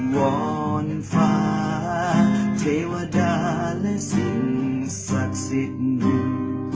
วอนฟ้าเทวดาและสิ่งศักดิ์สิทธิ์หนึ่ง